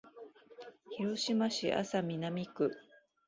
広島市安佐南区